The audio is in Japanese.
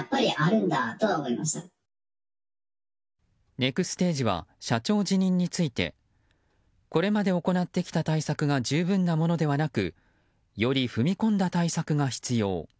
ネクステージは社長辞任についてこれまで行ってきた対策が十分なものではなくより踏み込んだ対策が必要。